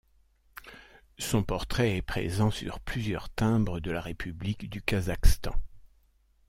Son portrait est présent sur plusieurs timbres de la république du Kazakhstan.